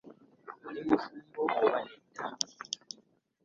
Oli mufumbo oba nedda?